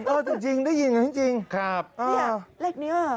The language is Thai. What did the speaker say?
เออจริงได้ยินจริงค่ะเลขนี้เหรอ